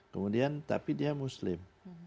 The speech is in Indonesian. kemudian tapi dia muslim